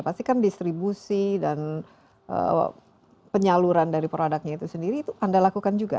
pasti kan distribusi dan penyaluran dari produknya itu sendiri itu anda lakukan juga